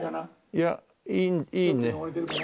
いやいいね。